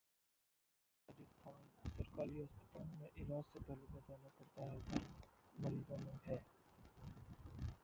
राजस्थान: सरकारी अस्पताल में इलाज से पहले बताना पड़ता है धर्म, मरीजों में भय